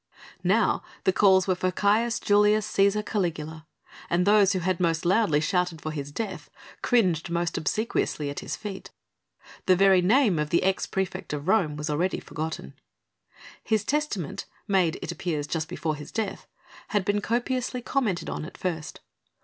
Now the calls were for Caius Julius Cæsar Caligula, and those who had most loudly shouted for his death, cringed most obsequiously at his feet. The very name of the ex praefect of Rome was already forgotten. His testament, made, it appears, just before his death, had been copiously commented on at first.